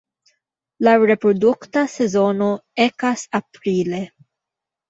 La reprodukta sezono ekas aprile.